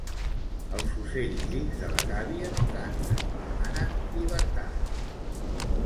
Els ocells dins de la gàbia no canten, demanen llibertat